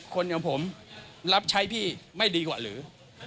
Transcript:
คนอย่างผมรับใช้พี่ไม่ดีกว่าหรือ